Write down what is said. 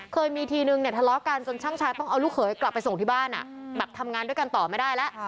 เคยมีทีนึงเนี่ยทะเลาะกันจนช่างชายต้องเอาลูกเขยกลับไปส่งที่บ้านแบบทำงานด้วยกันต่อไม่ได้แล้ว